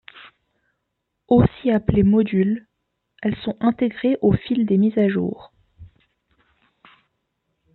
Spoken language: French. Aussi appelées modules, elles sont intégrées au fil des mises à jour.